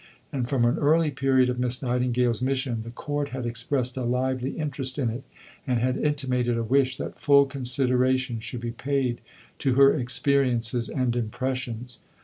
And from an early period of Miss Nightingale's mission the Court had expressed a lively interest in it, and had intimated a wish that full consideration should be paid to her experiences and impressions.